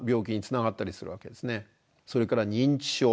それから認知症。